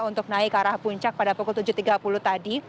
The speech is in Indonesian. untuk naik ke arah puncak pada pukul tujuh tiga puluh tadi